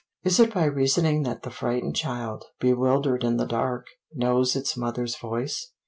Is it by reasoning that the frightened child, bewildered in the dark, knows its mother's voice?